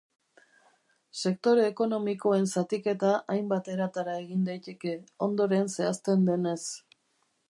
Sektore ekonomikoen zatiketa hainbat eratara egin daiteke, ondoren zehazten denez.